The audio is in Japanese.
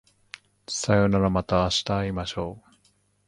さようならまた明日会いましょう